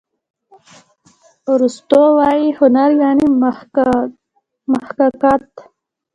ارستو وايي هنر یعني محاکات.